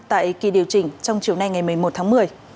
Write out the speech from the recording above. tại kỳ điều chỉnh trong chiều nay ngày một mươi một tháng một mươi